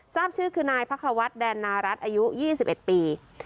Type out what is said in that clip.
ทราบชื่อคือนายพระควัฒน์แดนนารัฐอายุ๒๑ปี